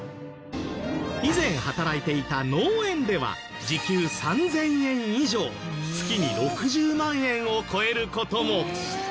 以前働いていた農園では時給３０００円以上月に６０万円を超える事も。